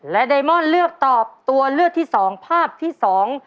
และไดมอนเลือกตอบตัวเลือกที่สองภาพที่สอง